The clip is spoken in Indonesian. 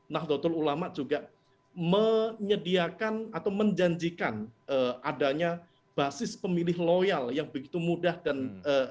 nahdlatul ulama juga menyediakan atau menjanjikan adanya basis pemilih loyal yang begitu mudah dan